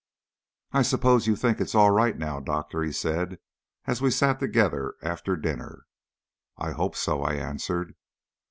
"I suppose you think it's all right now, Doctor?" he said, as we sat together after dinner. "I hope so," I answered.